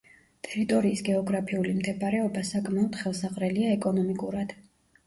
ტერიტორიის გეოგრაფიული მდებარეობა საკმაოდ ხელსაყრელია ეკონომიკურად.